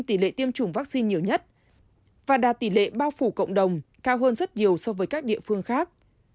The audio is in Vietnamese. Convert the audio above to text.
hồ chí minh tỉ lệ tiêm chủng vaccine nhiều nhất và đạt tỉ lệ bao phủ cộng đồng cao hơn rất nhiều so với các địa phương khác